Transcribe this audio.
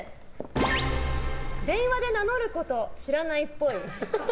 電話で名乗ること知らないっぽい。